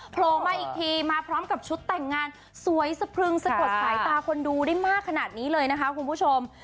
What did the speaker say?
โผล่มาอีกทีมาพร้อมกับชุดแต่งงานสวยสะพรึงสะกดสายตาคนดูได้มากขนาดนี้เลยนะคะคุณผู้ชม